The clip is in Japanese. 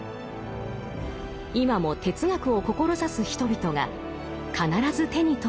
今も哲学を志す人々が必ず手に取る一冊です。